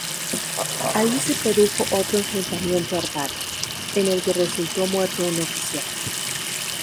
Allí se produjo otro enfrentamiento armado, en el que resultó muerto un oficial.